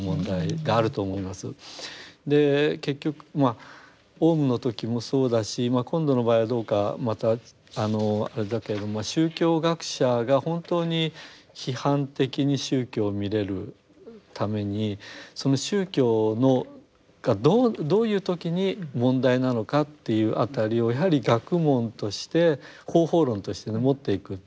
結局まあオウムの時もそうだし今度の場合はどうかまたあれだけれども宗教学者が本当に批判的に宗教を見れるためにその宗教がどういう時に問題なのかっていう辺りをやはり学問として方法論としてね持っていく。